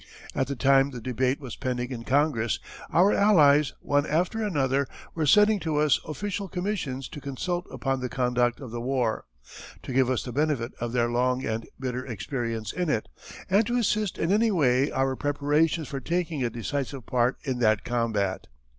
At the time the debate was pending in Congress our Allies one after another were sending to us official commissions to consult upon the conduct of the war, to give us the benefit of their long and bitter experience in it, and to assist in any way our preparations for taking a decisive part in that combat.